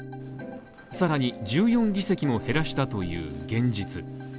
更に１４議席も減らしたという現実。